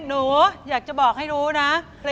หนูอยากจะบอกให้รู้นะ